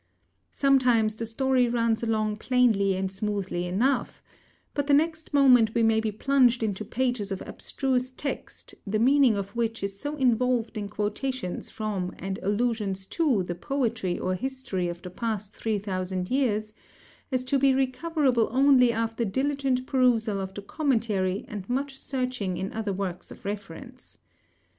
Sometimes the story runs along plainly and smoothly enough; but the next moment we may be plunged into pages of abstruse text, the meaning of which is so involved in quotations from and allusions to the poetry or history of the past three thousand years as to be recoverable only after diligent perusal of the commentary and much searching in other works of reference.